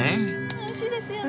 おいしいですよね。